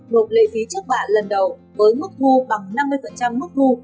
một lệ phí trước bả lần đầu với mức thu bằng năm mươi mức thu